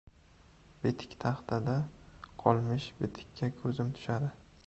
Bitiktaxtada qolmish bitikka ko‘zim tushadi: